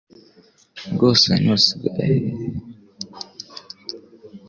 Rwose nibasigeho guteza urujijo mu banyarwanda